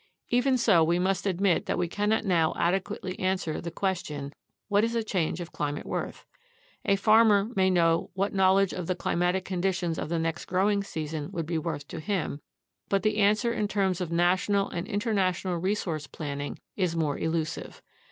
Even so, we must admit that we cannot now adequately answer the question: What is a change of climate worth? A farmer may know what knowledge of the climatic conditions of the next growing season would be worth to him, but the answer in terms of national and international resource planning is more elusive.